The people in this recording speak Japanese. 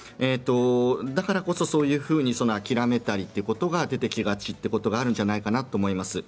だからこそ諦めたりということが出てきがちということがあるんじゃないかなと思います。